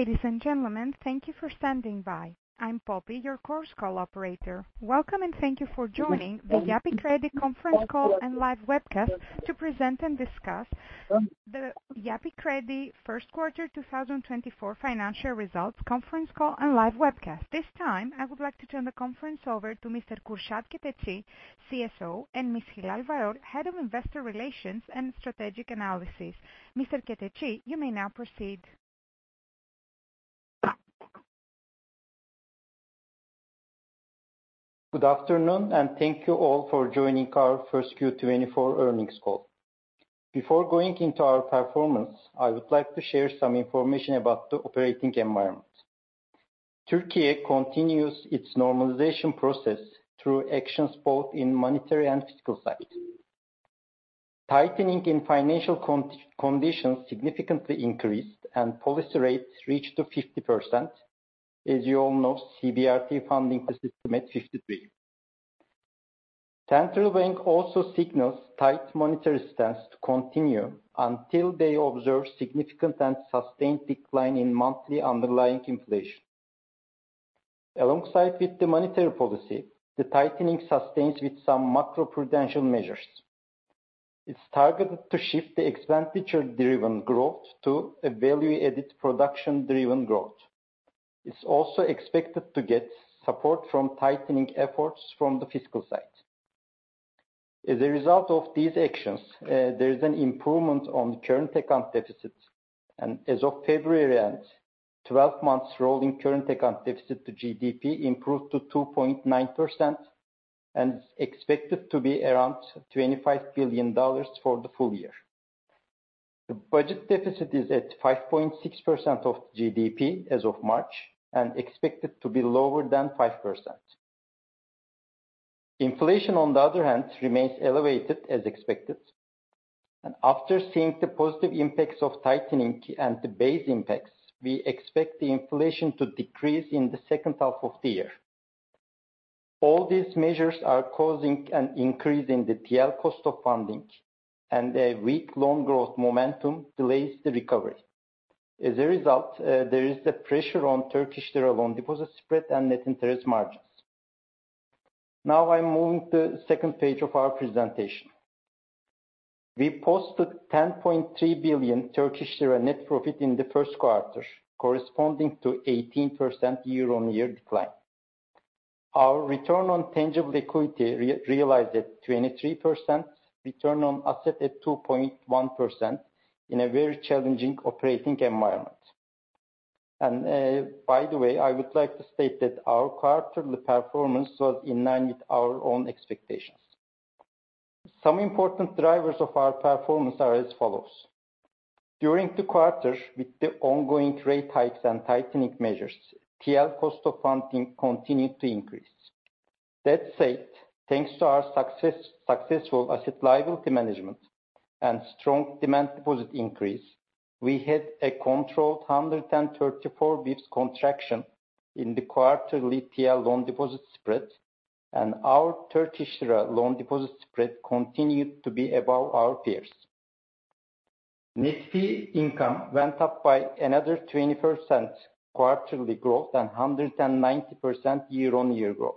Ladies and gentlemen, thank you for standing by. I'm Poppy, your conference call operator. Welcome, and thank you for joining the Yapı Kredi Conference Call and live webcast to present and discuss the Yapı Kredi First Quarter 2024 Financial Results, conference call, and live webcast. This time, I would like to turn the conference over to Mr. Kürşad Keteci, CSO, and Ms. Hilal Varol, Head of Investor Relations and Strategic Analysis. Mr. Kürşad Keteci, you may now proceed. Good afternoon, and thank you all for joining our first Q1 2024 earnings call. Before going into our performance, I would like to share some information about the operating environment. Turkey continues its normalization process through actions both in monetary and fiscal side. Tightening in financial conditions significantly increased, and policy rates reached to 50%. As you all know, CBRT funding the system at 53. Central bank also signals tight monetary stance to continue until they observe significant and sustained decline in monthly underlying inflation. Alongside with the monetary policy, the tightening sustains with some macro-prudential measures. It's targeted to shift the expenditure-driven growth to a value-added, production-driven growth. It's also expected to get support from tightening efforts from the fiscal side. As a result of these actions, there is an improvement on the current account deficits, and as of February end, 12 months rolling current account deficit to GDP improved to 2.9% and is expected to be around $25 billion for the full year. The budget deficit is at 5.6% of GDP as of March and expected to be lower than 5%. Inflation, on the other hand, remains elevated as expected, and after seeing the positive impacts of tightening cycle and the base impacts, we expect the inflation to decrease in the second half of the year. All these measures are causing an increase in the TL cost of funding, and a weak loan growth momentum delays the recovery. As a result, there is the pressure on Turkish lira loan deposit spread and net interest margins. Now I'm moving to second page of our presentation. We posted 10.3 billion Turkish lira net profit in the first quarter, corresponding to 18% year-on-year decline. Our return on tangible equity realized at 23%, return on asset at 2.1%, in a very challenging operating environment. And, by the way, I would like to state that our quarterly performance was in line with our own expectations. Some important drivers of our performance are as follows: During the quarter, with the ongoing rate hikes and tightening measures, TL cost of funding continued to increase. That said, thanks to our successful asset liability management and strong demand deposit increase, we had a controlled 134 basis points contraction in the quarterly TL loan deposit spread, and our Turkish lira loan deposit spread continued to be above our peers. Net fee income went up by another 20% quarterly growth and 190% year-over-year growth.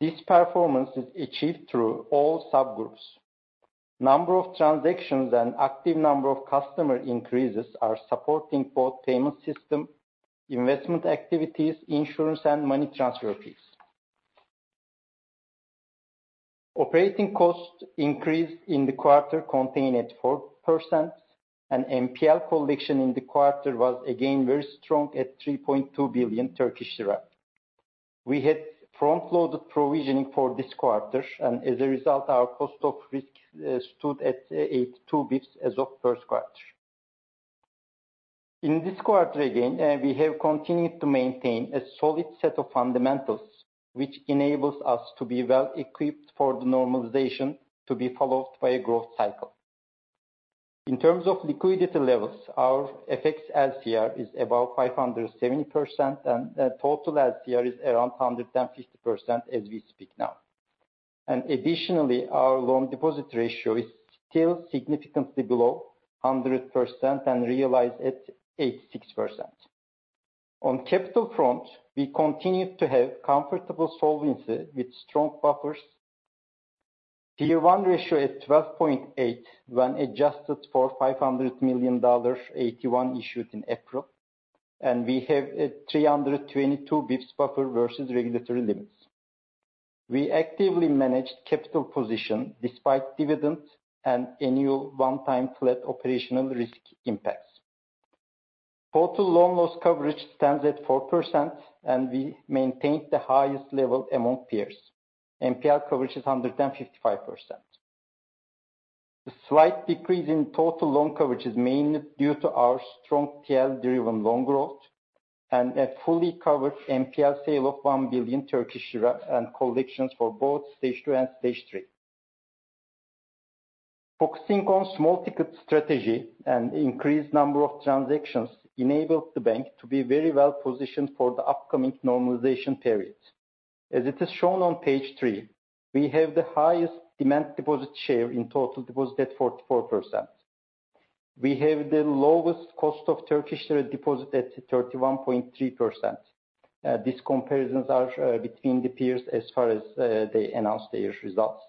This performance is achieved through all subgroups. Number of transactions and active number of customer increases are supporting both payment system, investment activities, insurance, and money transfer fees. Operating costs increased in the quarter, contained at 4%, and NPL collection in the quarter was again very strong at 3.2 billion Turkish lira. We had front-loaded provisioning for this quarter, and as a result, our cost of risk stood at 82 basis points as of first quarter. In this quarter, again, we have continued to maintain a solid set of fundamentals, which enables us to be well-equipped for the normalization to be followed by a growth cycle. In terms of liquidity levels, our FX LCR is above 570%, and total LCR is around 150% as we speak now. And additionally, our loan deposit ratio is still significantly below 100% and realized at 86%. On capital front, we continue to have comfortable solvency with strong buffers. Tier one ratio is 12.8 when adjusted for $500 million AT-1 issued in April, and we have a 322 bps buffer versus regulatory limits. We actively managed capital position despite dividends and annual one-time flat operational risk impacts. Total loan loss coverage stands at 4%, and we maintained the highest level among peers. NPL coverage is 155%. The slight decrease in total loan coverage is mainly due to our strong TL-driven loan growth and a fully covered NPL sale of 1 billion Turkish lira and collections for both Stage two and Stage three. Focusing on small ticket strategy and increased number of transactions enabled the bank to be very well-positioned for the upcoming normalization period... as it is shown on Page three, we have the highest demand deposit share in total deposit at 44%. We have the lowest cost of Turkish lira deposit at 31.3%. These comparisons are between the peers as far as they announce their results.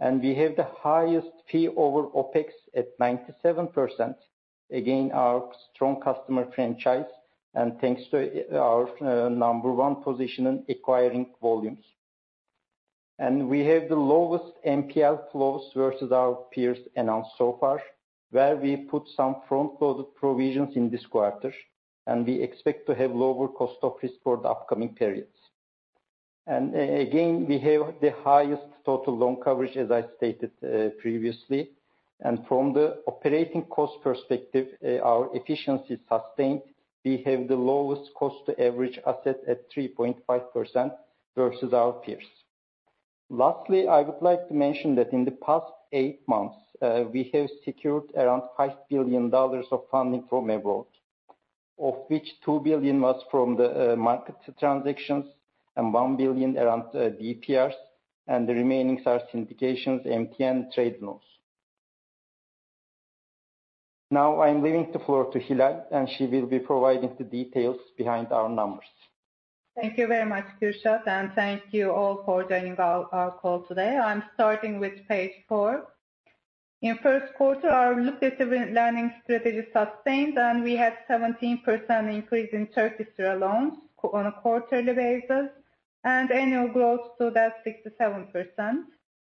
We have the highest fee over OpEx at 97%. Again, our strong customer franchise, and thanks to our number one position in acquiring volumes. We have the lowest NPL flows versus our peers announced so far, where we put some front-loaded provisions in this quarter, and we expect to have lower cost of risk for the upcoming periods. And again, we have the highest total loan coverage, as I stated, previously. From the operating cost perspective, our efficiency sustained, we have the lowest cost to average asset at 3.5% versus our peers. Lastly, I would like to mention that in the past 8 months, we have secured around $5 billion of funding from abroad, of which $2 billion was from the market transactions and around $1 billion in DPRs, and the remaining are syndications, MTN, trade loans. Now, I'm giving the floor to Hilal, and she will be providing the details behind our numbers. Thank you very much, Kürşad, and thank you all for joining our call today. I'm starting with Page four. In first quarter, our lucrative lending strategy sustained, and we had 17% increase in Turkish lira loans on a quarterly basis and annual growth to that 67%.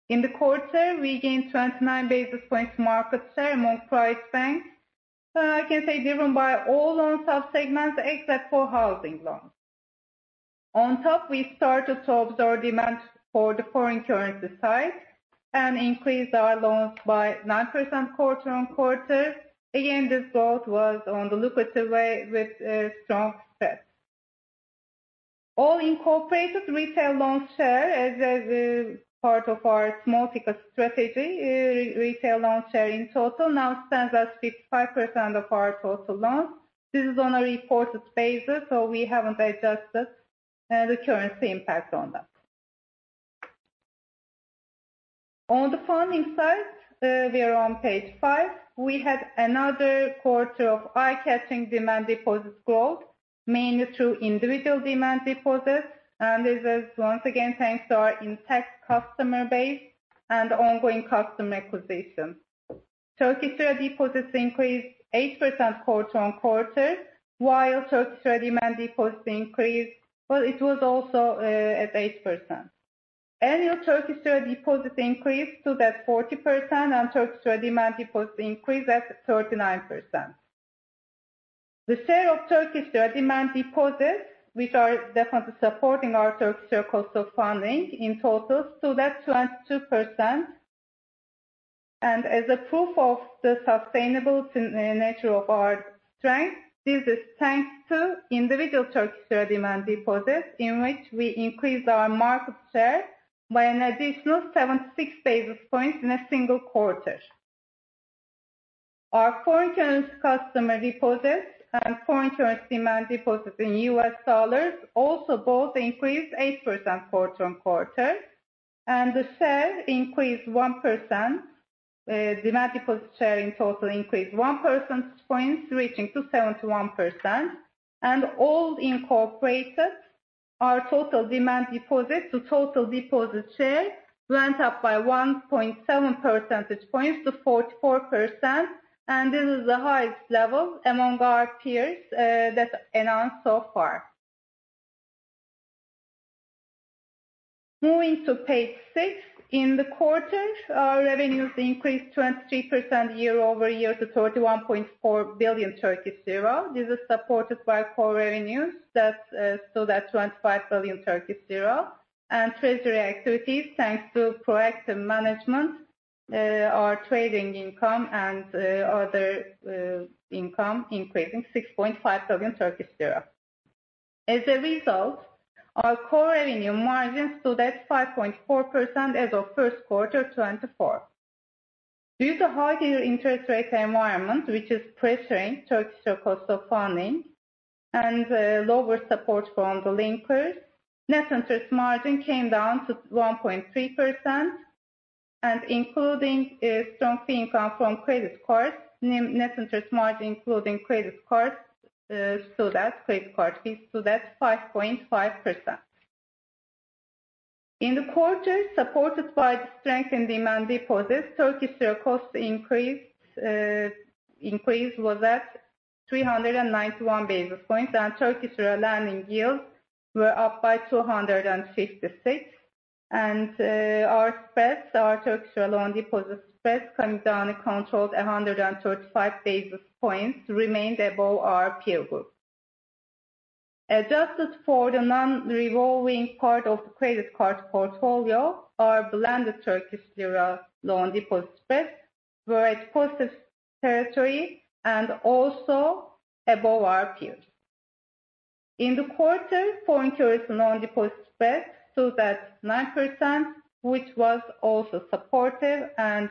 In the quarter, we gained 29 basis points market share among private banks. I can say driven by all loan sub-segments, except for housing loans. On top, we started to observe demand for the foreign currency side and increased our loans by 9% quarter-on-quarter. Again, this growth was on the lucrative way with a strong spread. All incorporated retail loan share as a part of our multi strategy, retail loan share in total now stands at 55% of our total loans. This is on a reported basis, so we haven't adjusted the currency impact on that. On the funding side, we are on Page five. We had another quarter of eye-catching demand deposits growth, mainly through individual demand deposits, and this is once again thanks to our intact customer base and ongoing customer acquisition. Turkish lira deposits increased 8% quarter-on-quarter, while Turkish lira demand deposits increased... Well, it was also at 8%. Annual Turkish lira deposits increased to that 40% and Turkish lira demand deposits increased at 39%. The share of Turkish lira demand deposits, which are definitely supporting our Turkish lira cost of funding in total, so that's 22%. As a proof of the sustainable nature of our strength, this is thanks to individual Turkish lira demand deposits, in which we increased our market share by an additional 76 basis points in a single quarter. Our foreign currency customer deposits and foreign currency demand deposits in U.S. dollars also both increased 8% quarter-on-quarter, and the share increased 1%. Demand deposit share in total increased 1 percentage points, reaching to 71%. And all incorporated, our total demand deposits to total deposit share went up by 1.7 percentage points to 44%, and this is the highest level among our peers that announced so far. Moving to Page six. In the quarter, our revenues increased 23% year-over-year to 31.4 billion. This is supported by core revenues. That's, so that's 25 billion. And treasury activities, thanks to proactive management, our trading income and, other, income increasing 6.5 billion Turkish lira. As a result, our core revenue margins stood at 5.4% as of first quarter 2024. Due to higher interest rate environment, which is pressuring Turkish lira cost of funding and, lower support from the linkers, net interest margin came down to 1.3%. And including, strong fee income from credit cards, net interest margin including credit cards, so that's credit card fees, so that's 5.5%. In the quarter, supported by the strength in demand deposits, Turkish lira cost increase, increase was at 391 basis points, and Turkish lira lending yields were up by 256. Our spreads, our Turkish lira loan deposit spreads coming down and controlled 135 basis points remained above our peer group. Adjusted for the non-revolving part of the credit card portfolio, our blended Turkish lira loan deposit spreads were at positive territory and also above our peers. In the quarter, foreign currency loan deposit spreads, so that's 9%, which was also supportive and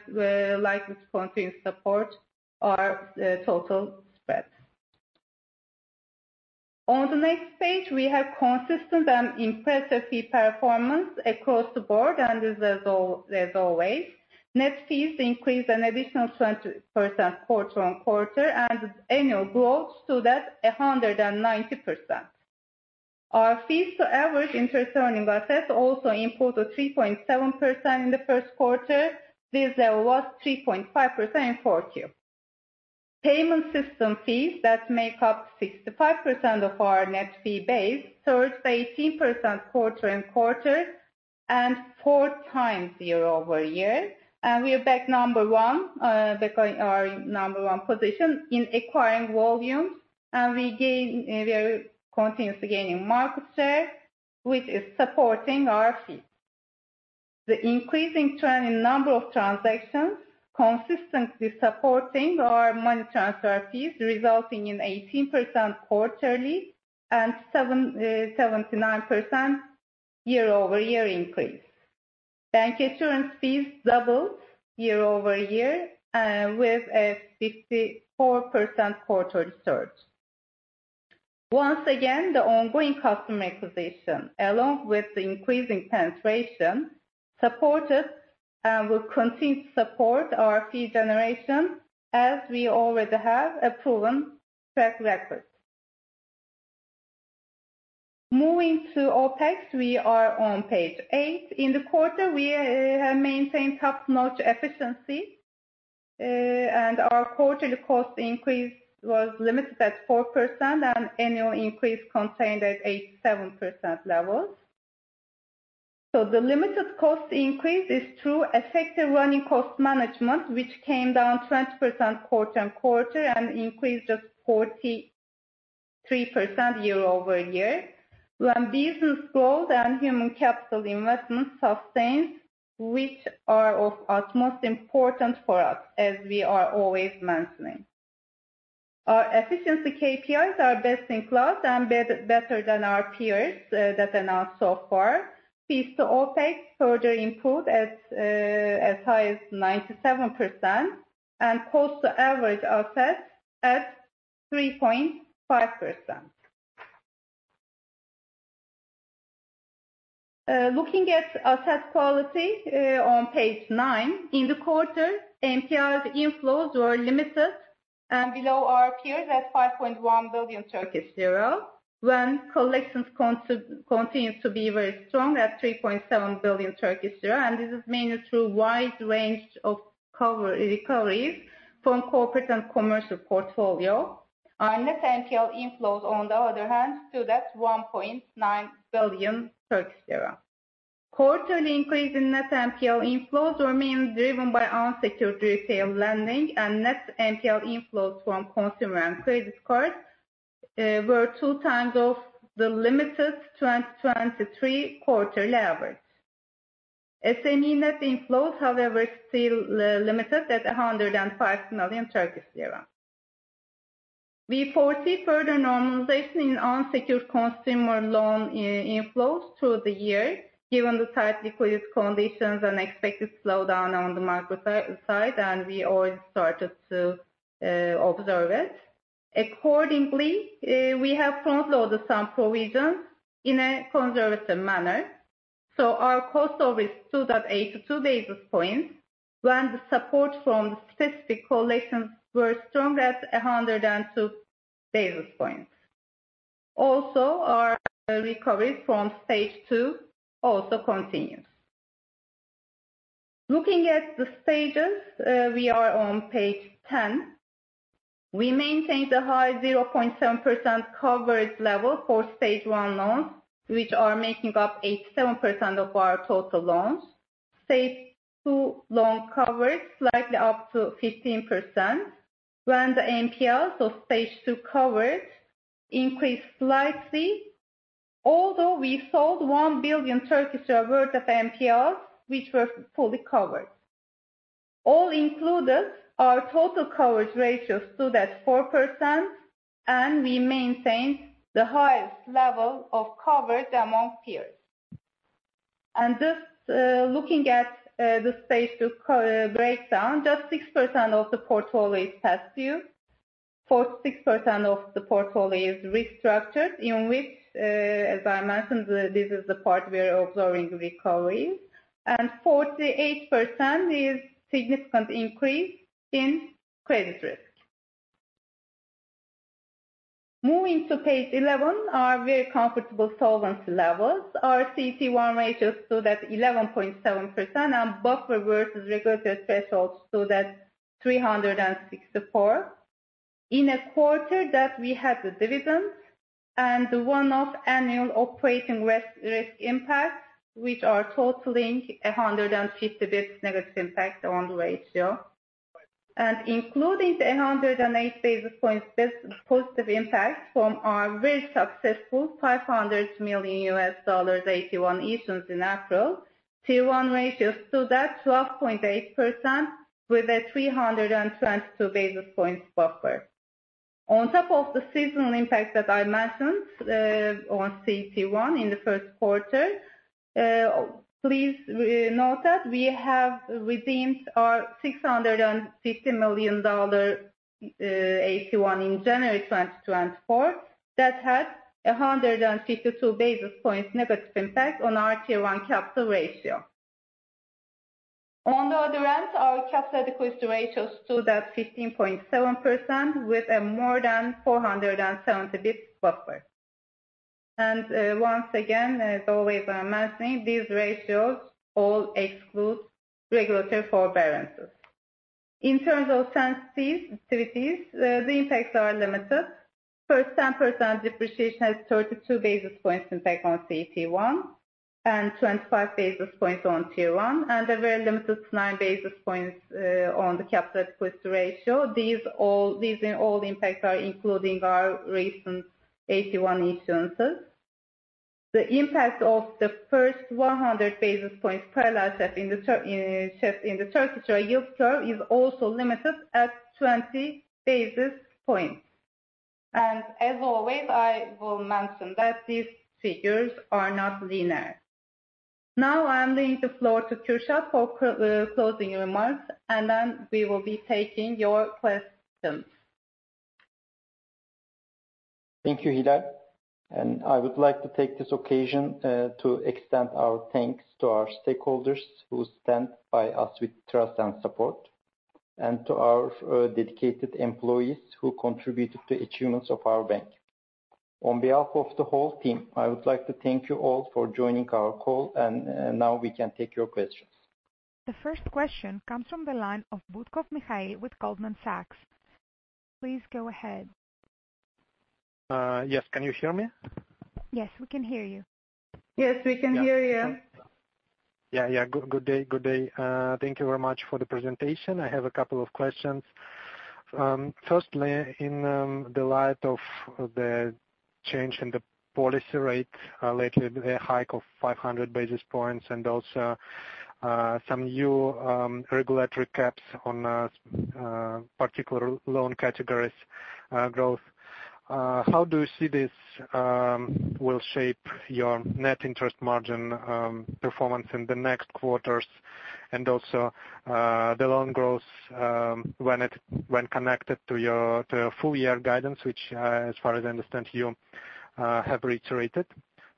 likely to continue to support our total spread. On the next page, we have consistent and impressive fee performance across the board, and as always, net fees increased an additional 20% quarter-on-quarter, and annual growth stood at 190%. Our fees to average interest earning assets also improved to 3.7% in the first quarter. This level was 3.5% in 4Q. Payment system fees that make up 65% of our net fee base surged 18% quarter-over-quarter and four times year-over-year. We are back number one, back in our number one position in acquiring volumes, and we gain, we are continuously gaining market share, which is supporting our fees. The increasing trend in number of transactions consistently supporting our money transfer fees, resulting in 18% quarterly and 79% year-over-year increase. Bank insurance fees doubled year-over-year with a 54% quarter surge. Once again, the ongoing customer acquisition, along with the increasing penetration, supported and will continue to support our fee generation, as we already have a proven track record. Moving to OpEx, we are on Page eight. In the quarter, we maintained top-notch efficiency, and our quarterly cost increase was limited at 4%, and annual increase contained at 8%-7% levels. So the limited cost increase is through effective running cost management, which came down 20% quarter-over-quarter, and increased just 43% year-over-year. When business growth and human capital investment sustained, which are of utmost important for us, as we are always mentioning. Our efficiency KPIs are best in class and better than our peers that announced so far. Fees to OpEx further improved at as high as 97% and cost to average assets at 3.5%. Looking at asset quality on Page nine. In the quarter, NPLs inflows were limited and below our peers at 5.1 billion, when collections continue to be very strong at 3.7 billion. This is mainly through wide range of cover, recoveries from corporate and commercial portfolio. Our net NPL inflows, on the other hand, stood at 1.9 billion Turkish lira. Quarterly increase in net NPL inflows remains driven by unsecured retail lending and net NPL inflows from consumer and credit cards were two times of the limited 2023 quarterly average. SME net inflows, however, still limited at 105 million Turkish lira. We foresee further normalization in unsecured consumer loan inflows through the year, given the tight liquidity conditions and expected slowdown on the macro side, and we already started to observe it. Accordingly, we have front-loaded some provisions in a conservative manner, so our cost of risk stood at 82 basis points, when the support from specific collections were strong at 102 basis points. Also, our recovery from stage two also continues. Looking at the stages, we are on Page 10. We maintained a high 0.7% coverage level for stage one loans, which are making up 87% of our total loans. Stage two loan coverage slightly up to 15%, when the NPL, so stage two coverage increased slightly, although we sold 1 billion worth of NPL, which were fully covered. All included, our total coverage ratios stood at 4%, and we maintained the highest level of coverage among peers. Just looking at the stage two coverage breakdown, just 6% of the portfolio is past due. 46% of the portfolio is restructured, in which, as I mentioned, this is the part we are observing recovery, and 48% is significant increase in credit risk. Moving to Page 11, our very comfortable solvency levels. Our CET1 ratios stood at 11.7%, and buffer versus regulated thresholds stood at 364. In a quarter that we had the dividend and the one-off annual operating risk, risk impact, which are totaling 150 basis points negative impact on the ratio. And including the 108 basis points, this positive impact from our very successful $500 million AT1 issuance in April, Tier one ratios stood at 12.8% with a 322 basis points buffer. On top of the seasonal impact that I mentioned, on CET1 in the first quarter-... Please note that we have redeemed our $650 million AT-1 in January 2024. That had a 152 basis points negative impact on our Tier 1 capital ratio. On the other hand, our capital adequacy ratios stood at 15.7% with a more than 470 basis points buffer. Once again, as always, I'm mentioning, these ratios all exclude regulatory forbearances. In terms of sensitivities, activities, the impacts are limited. First, 10% depreciation has 32 basis points impact on CET1, and 25 basis points on Tier 1, and a very limited 9 basis points on the capital adequacy ratio. These and all the impacts are including our recent AT-1 issuances. The impact of the first 100 basis points parallel set in the Turkish lira yield curve is also limited at 20 basis points. As always, I will mention that these figures are not linear. Now, I'm leaving the floor to Kürşad for closing remarks, and then we will be taking your questions. Thank you, Hilal, and I would like to take this occasion to extend our thanks to our stakeholders who stand by us with trust and support, and to our dedicated employees who contributed to achievements of our bank. On behalf of the whole team, I would like to thank you all for joining our call, and now we can take your questions. The first question comes from the line of Butkov Mikhail with Goldman Sachs. Please go ahead. Yes, can you hear me? Yes, we can hear you. Yes, we can hear you. Yeah, yeah. Good, good day, good day. Thank you very much for the presentation. I have a couple of questions. Firstly, in the light of the change in the policy rate, lately, the hike of 500 basis points and also, some new, regulatory caps on particular loan categories, growth, how do you see this will shape your net interest margin performance in the next quarters, and also, the loan growth, when connected to your full year guidance, which, as far as I understand, you have reiterated?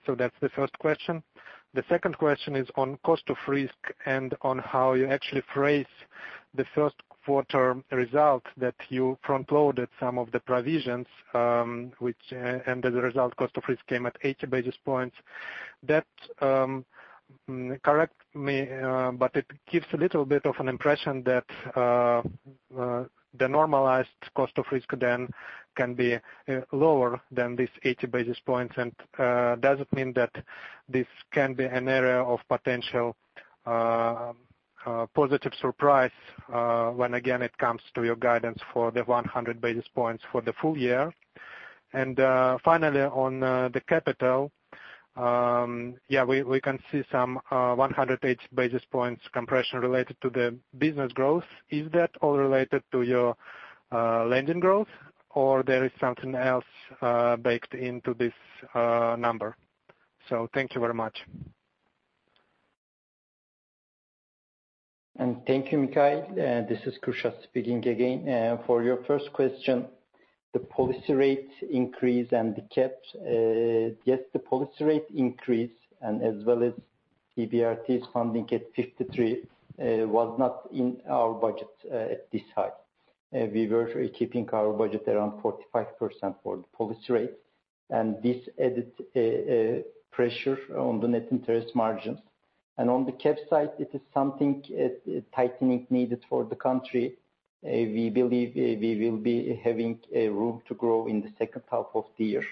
So that's the first question. The second question is on cost of risk and on how you actually phrase the first quarter result, that you front-loaded some of the provisions, which and as a result, cost of risk came at 80 basis points. That, correct me, but it gives a little bit of an impression that the normalized cost of risk then can be lower than this 80 basis points. And, does it mean that this can be an area of potential positive surprise when, again, it comes to your guidance for the 100 basis points for the full year? And, finally, on the capital, yeah, we, we can see some 108 basis points compression related to the business growth. Is that all related to your lending growth, or there is something else baked into this number? So thank you very much. Thank you, Mikhail. This is Kürşad speaking again. For your first question, the policy rate increase and the caps, yes, the policy rate increase and as well as CBRT's funding at 53%, was not in our budget, at this high. We were keeping our budget around 45% for the policy rate, and this added, pressure on the net interest margins. On the cap side, it is something, tightening needed for the country. We believe, we will be having a room to grow in the second half of the year.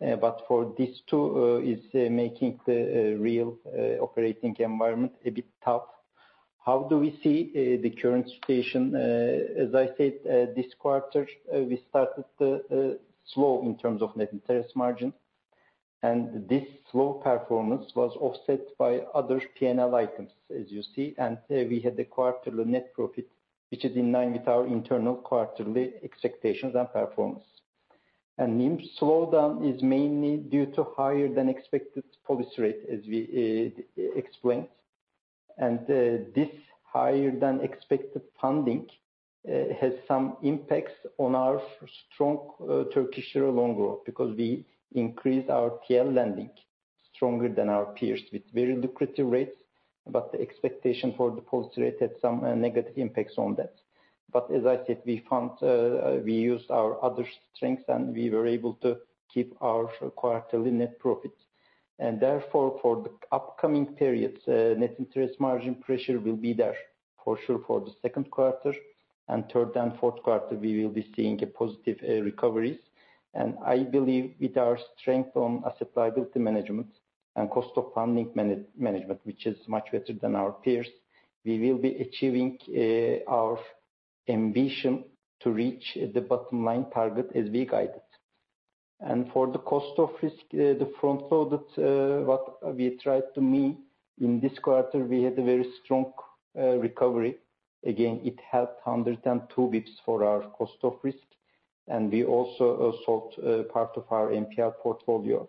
But for these two, is, making the, real, operating environment a bit tough. How do we see, the current situation? As I said, this quarter we started slow in terms of net interest margin, and this slow performance was offset by other PNL items, as you see. We had the quarterly net profit, which is in line with our internal quarterly expectations and performance. NIM slowdown is mainly due to higher than expected Policy Rate, as we explained. This higher than expected funding has some impacts on our strong Turkish lira loan growth, because we increased our TL lending stronger than our peers with very lucrative rates, but the expectation for the Policy Rate had some negative impacts on that. But as I said, we found we used our other strengths, and we were able to keep our quarterly net profit. Therefore, for the upcoming periods, net interest margin pressure will be there for sure for the second quarter, and third and fourth quarter, we will be seeing a positive recoveries. I believe with our strength on asset liability management and cost of funding management, which is much better than our peers, we will be achieving our ambition to reach the bottom line target as we guided. For the cost of risk, the front loaded, what we tried to mean, in this quarter, we had a very strong recovery. Again, it helped 102 basis points for our cost of risk... and we also sold part of our NPL portfolio.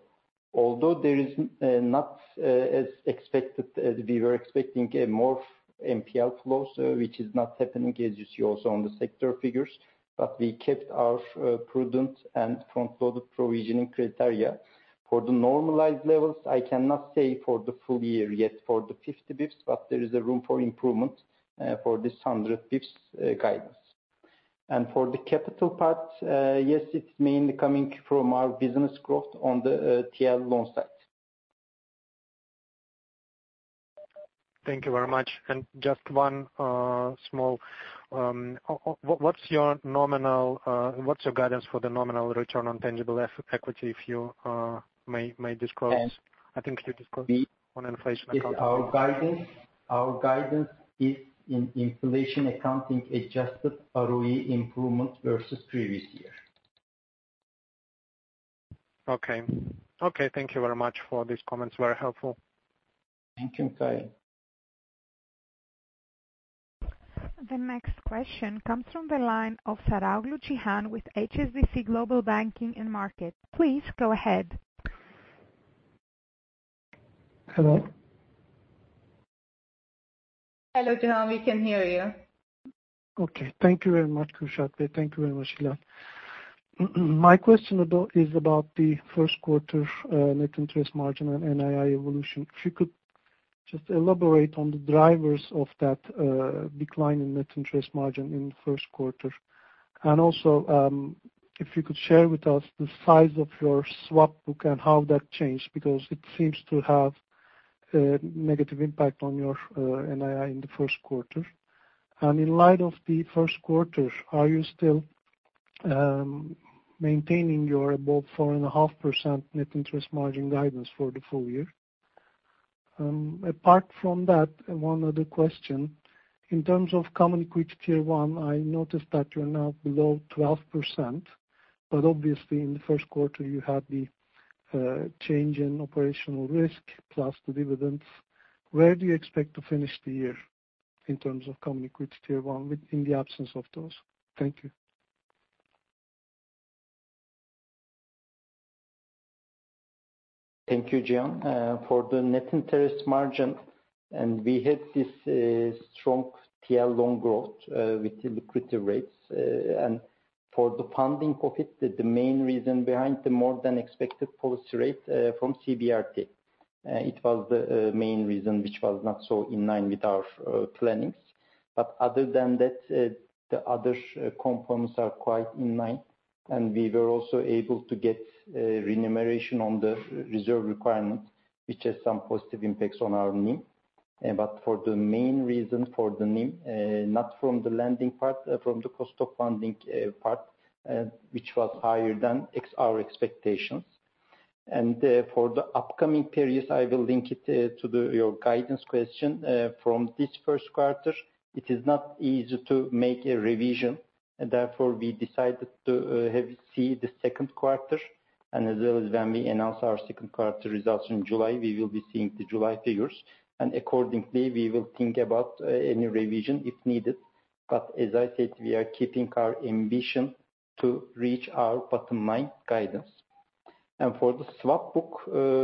Although there is not, as expected, as we were expecting, more NPL flows, which is not happening, as you see also on the sector figures, but we kept our prudent and controlled provisioning criteria. For the normalized levels, I cannot say for the full year yet for the 50 bps, but there is a room for improvement for this 100 bps guidance. And for the capital part, yes, it's mainly coming from our business growth on the TL loan side. Thank you very much. Just one small, what's your guidance for the nominal return on tangible equity, if you may disclose? Yes. I think you disclosed on inflation accounting. Our guidance, our guidance is in Inflation Accounting adjusted ROE improvement versus previous year. Okay. Okay, thank you very much for these comments. Very helpful. Thank you, Mikhail. The next question comes from the line of Saraoğlu Cihan with HSBC Global Banking and Markets. Please go ahead. Hello? Hello, Cihan, we can hear you. Okay. Thank you very much, Kürşad. Thank you very much, Hilal. My question about, is about the first quarter, net interest margin and NII evolution. If you could just elaborate on the drivers of that, decline in net interest margin in the first quarter. And also, if you could share with us the size of your swap book and how that changed, because it seems to have, negative impact on your, NII in the first quarter. And in light of the first quarter, are you still, maintaining your above 4.5% net interest margin guidance for the full year? Apart from that, one other question: in terms of common equity Tier 1, I noticed that you're now below 12%, but obviously in the first quarter, you had the, change in operational risk plus the dividends. Where do you expect to finish the year in terms of Common Equity Tier 1 within the absence of those? Thank you. Thank you, Cihan. For the net interest margin, and we had this strong TL loan growth with liquidity rates. And for the funding of it, the main reason behind the more-than-expected policy rate from CBRT. It was the main reason which was not so in line with our planning. But other than that, the other components are quite in line, and we were also able to get remuneration on the reserve requirement, which has some positive impacts on our NIM. But for the main reason for the NIM, not from the lending part, from the cost of funding part, which was higher than our expectations. And for the upcoming periods, I will link it to your guidance question. From this first quarter, it is not easy to make a revision, and therefore we decided to have to see the second quarter. And as well as when we announce our second quarter results in July, we will be seeing the July figures, and accordingly, we will think about any revision if needed. But as I said, we are keeping our ambition to reach our bottom line guidance. And for the swap book,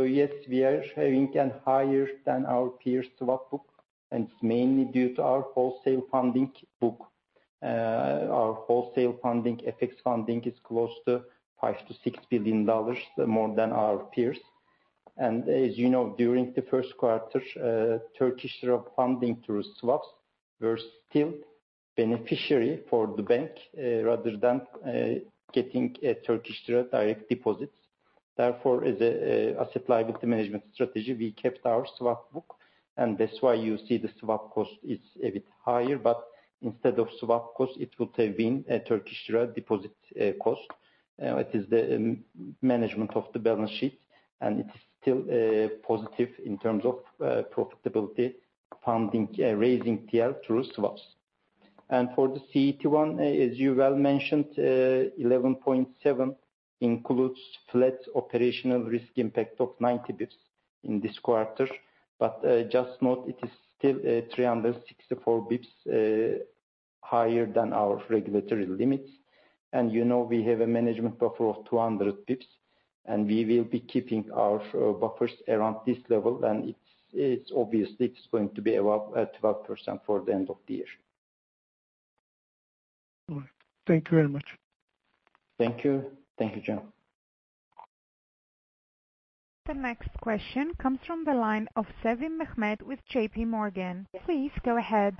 yes, we are having an higher than our peers swap book, and it's mainly due to our wholesale funding book. Our wholesale funding, FX funding, is close to $5 billion-$6 billion, more than our peers. And as you know, during the first quarter, Turkish funding through swaps were still beneficiary for the bank, rather than getting a Turkish direct deposits. Therefore, as a asset liability management strategy, we kept our swap book, and that's why you see the swap cost is a bit higher. But instead of swap cost, it would have been a Turkish lira deposit cost. It is the management of the balance sheet, and it's still positive in terms of profitability, funding, raising TL through swaps. And for the CET1, as you well mentioned, 11.7 includes flat operational risk impact of 90 basis points in this quarter. But just note, it is still 364 basis points higher than our regulatory limits. And you know, we have a management buffer of 200 basis points, and we will be keeping our buffers around this level. And it's obviously going to be about 12% for the end of the year. All right. Thank you very much. Thank you. Thank you, Cihan. The next question comes from the line of Sevim Mehmet with JPMorgan. Please go ahead.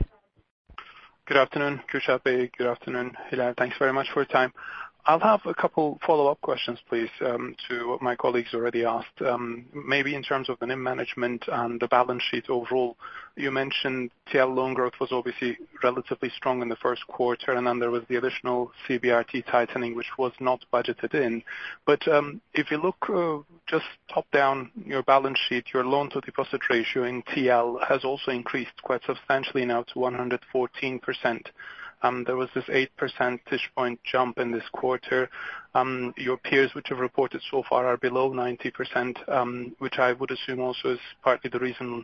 Good afternoon, Kürşad. Good afternoon, Hilal. Thanks very much for your time. I'll have a couple follow-up questions, please, to what my colleagues already asked. Maybe in terms of the NIM management and the balance sheet overall, you mentioned TL loan growth was obviously relatively strong in the first quarter, and then there was the additional CBRT tightening, which was not budgeted in. But, if you look, just top down your balance sheet, your loan to deposit ratio in TL has also increased quite substantially now to 114%. There was this 8% touchpoint jump in this quarter. Your peers which have reported so far are below 90%, which I would assume also is partly the reason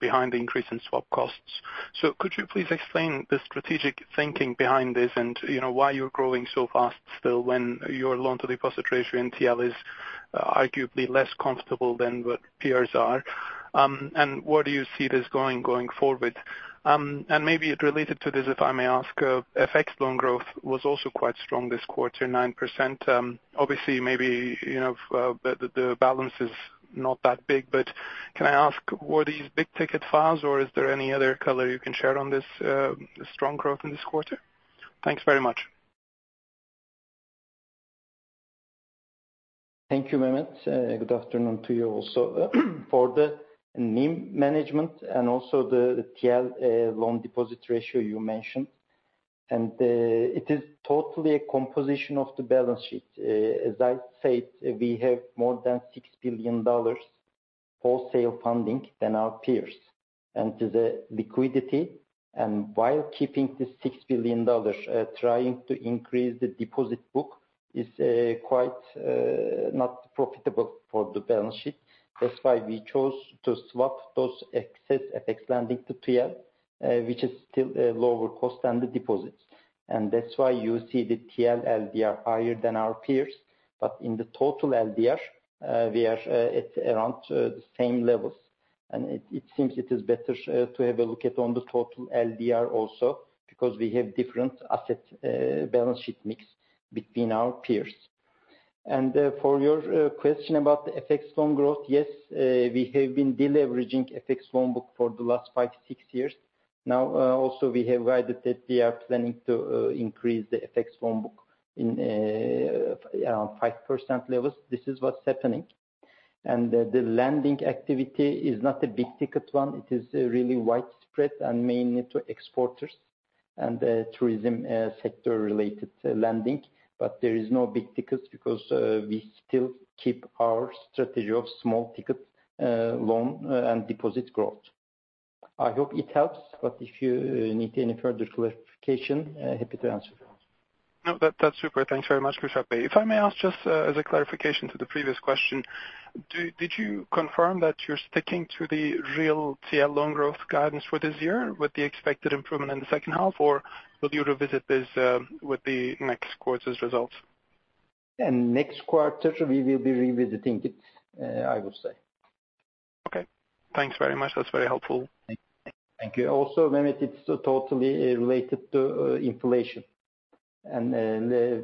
behind the increase in swap costs. So could you please explain the strategic thinking behind this, and, you know, why you're growing so fast still, when your loan-to-deposit ratio in TL is, arguably less comfortable than what peers are? And where do you see this going, going forward? And maybe related to this, if I may ask, FX loan growth was also quite strong this quarter, 9%. Obviously, maybe you know, the balance is not that big, but can I ask, were these big-ticket files, or is there any other color you can share on this, strong growth in this quarter? Thanks very much. Thank you, Mehmet. Good afternoon to you also. For the NIM management and also the TL, loan deposit ratio you mentioned, and, it is totally a composition of the balance sheet. As I said, we have more than $6 billion wholesale funding than our peers. And to the liquidity, and while keeping this $6 billion, trying to increase the deposit book is, quite, not profitable for the balance sheet. That's why we chose to swap those excess FX lending to TL, which is still a lower cost than the deposits. And that's why you see the TL LDR higher than our peers. But in the total LDR, we are, at around, the same levels. And it seems it is better to have a look at on the total LDR also, because we have different asset balance sheet mix between our peers. And for your question about the FX loan growth, yes, we have been deleveraging FX loan book for the last five to six years. Now also we have guided that we are planning to increase the FX loan book in around 5% levels. This is what's happening. And the lending activity is not a big ticket one. It is really widespread and mainly to exporters and tourism sector-related lending. But there is no big tickets because we still keep our strategy of small ticket loan and deposit growth. I hope it helps, but if you need any further clarification, happy to answer. No, that, that's super. Thanks very much, Kürşad. If I may ask, just, as a clarification to the previous question, did you confirm that you're sticking to the real TL loan growth guidance for this year with the expected improvement in the second half, or will you revisit this, with the next quarter's results? In next quarter, we will be revisiting it, I would say. Okay, thanks very much. That's very helpful. Thank you. Also, Mehmet, it's totally related to inflation. And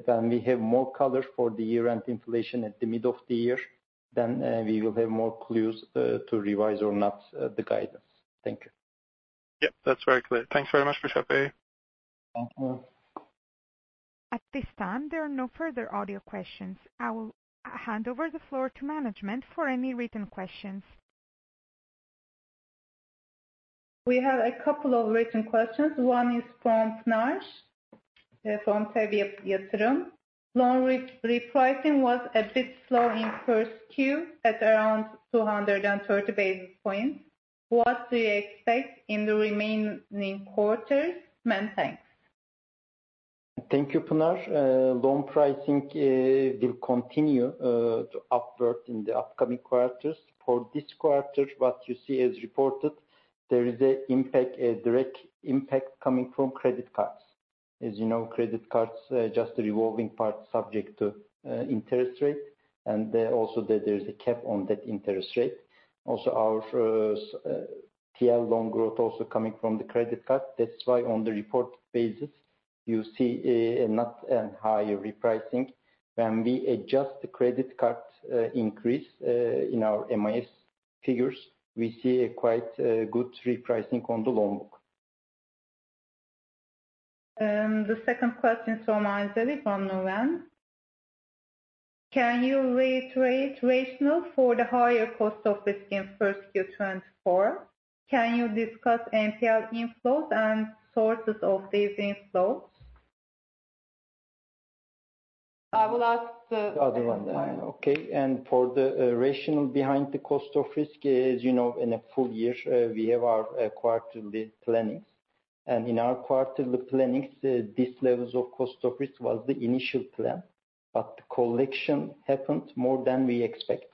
when we have more color for the year-end inflation at the middle of the year, then we will have more clues to revise or not the guidance. Thank you. Yep, that's very clear. Thanks very much, Kürşad. Thank you. At this time, there are no further audio questions. I will hand over the floor to management for any written questions. We have a couple of written questions. One is from Pınar, from TEB Yatırım: Loan repricing was a bit slow in first Q, at around 230 basis points. What do you expect in the remaining quarters? Mehmet, thanks. Thank you, Pınar. Loan pricing will continue to upward in the upcoming quarters. For this quarter, what you see as reported, there is an impact, a direct impact coming from credit cards. As you know, credit cards are just a revolving part subject to interest rate, and there also is a cap on that interest rate. Also, our TL loan growth also coming from the credit card. That's why on the reported basis, you see not a higher repricing. When we adjust the credit card increase in our MIS figures, we see a quite good repricing on the loan book. The second question from Isaac on Nuveen: Can you reiterate rationale for the higher cost of risk in first Q 2024? Can you discuss NPL inflows and sources of these inflows? I will ask the- Other one. Okay. And for the rationale behind the cost of risk is, you know, in a full year, we have our quarterly plannings. And in our quarterly plannings, these levels of cost of risk was the initial plan, but the collection happened more than we expect,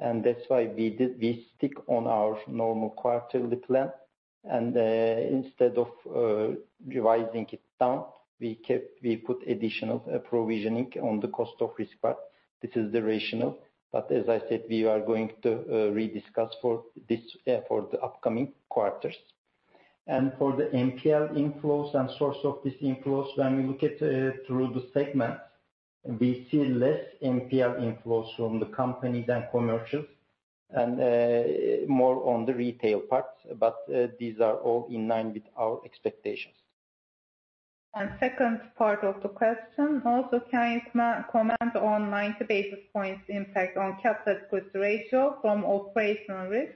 and that's why we stick on our normal quarterly plan. And instead of revising it down, we put additional provisioning on the cost of risk part. This is the rationale, but as I said, we are going to rediscuss for this for the upcoming quarters. And for the NPL inflows and source of this inflows, when we look at through the segments, we see less NPL inflows from the companies and commercials and more on the retail parts, but these are all in line with our expectations. Second part of the question: Also, can you comment on 90 basis points impact on capital ratio from operational risk?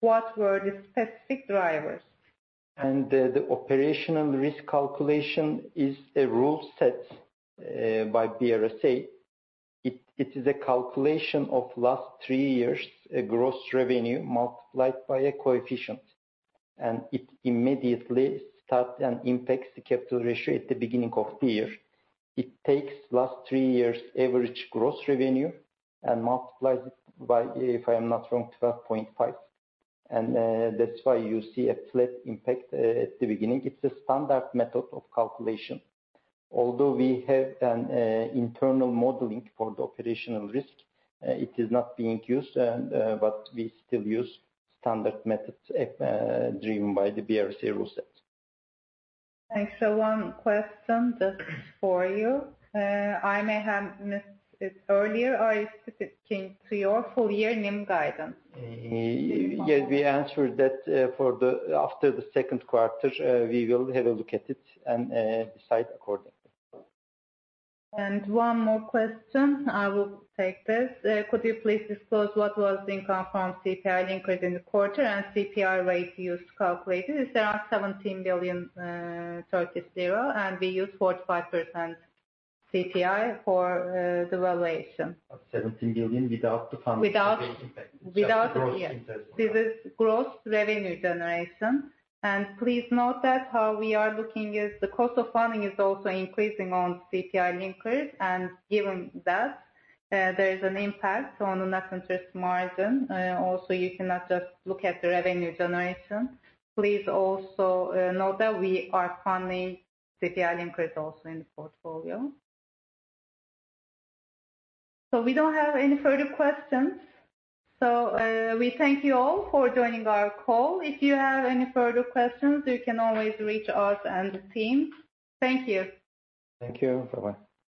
What were the specific drivers? The operational risk calculation is a rule set by BRSA. It is a calculation of last three years' gross revenue multiplied by a coefficient, and it immediately starts and impacts the capital ratio at the beginning of the year. It takes last three years' average gross revenue and multiplies it by, if I am not wrong, 12.5. That's why you see a flat impact at the beginning. It's a standard method of calculation. Although we have done internal modeling for the operational risk, it is not being used, but we still use standard methods driven by the BRSA rule set. Thanks. So one question just for you. I may have missed it earlier. Are you sticking to your full-year NIM guidance? Yes, we answered that. After the second quarter, we will have a look at it and decide accordingly. One more question, I will take this. Could you please disclose what was the income from CPI increase in the quarter and CPI rate you used to calculate it? It's around 17 billion Turkish lira, and we used 45% CPI for the valuation. 17 billion without the funding- Without- Impact. Without- Gross interest. This is gross revenue generation. Please note that how we are looking is the cost of funding is also increasing on CPI-linked increase. Given that, there is an impact on the net interest margin. Also you cannot just look at the revenue generation. Please also note that we are funding CPI-linked increase also in the portfolio. We don't have any further questions. We thank you all for joining our call. If you have any further questions, you can always reach out and the team. Thank you. Thank you. Bye-bye.